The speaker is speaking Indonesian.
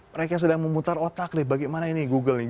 mereka sedang memutar otak deh bagaimana ini google nih